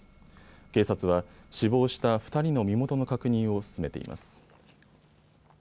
警察は死亡した２人の身元の確認を進めています。